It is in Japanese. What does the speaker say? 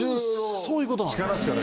そういうことなんです。